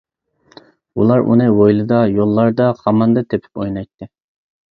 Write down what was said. ئۇلار ئۇنى ھويلىدا، يوللاردا، خاماندا تېپىپ ئوينايتتى.